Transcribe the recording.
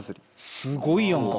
すごいやんか。